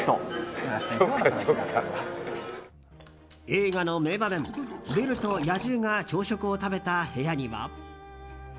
映画の名場面、ベルと野獣が朝食を食べた部屋には。